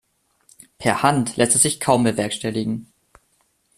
Per Hand lässt es sich kaum bewerkstelligen.